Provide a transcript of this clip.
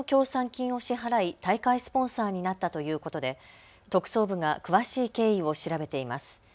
金を支払い大会スポンサーになったということで特捜部が詳しい経緯を調べています。